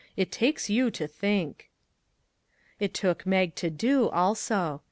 It takes you to think." It took Mag to do, also.